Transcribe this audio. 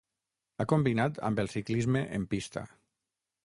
Ha combinat amb el ciclisme en pista.